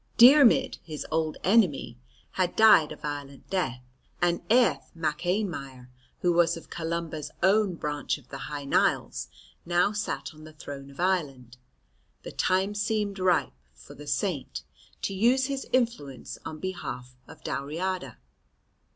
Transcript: Diarmaid, his old enemy, had died a violent death, and Aedh MacAinmire, who was of Columba's own branch of the Hy Nialls, now sat on the throne of Ireland: the time seemed ripe for the Saint to use his influence on behalf of Dalriada.